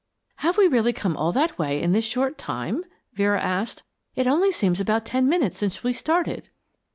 "Have we really come all that way in this short time?" Vera asked. "It only seems about ten minutes since we started."